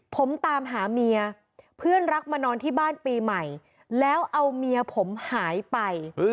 ผมตามหาเมียเพื่อนรักมานอนที่บ้านปีใหม่แล้วเอาเมียผมหายไป